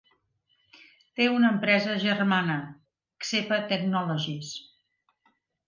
Té una empresa germana, Xepa Technologies.